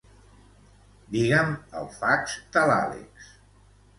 Digue'm el fax de l'Àlex.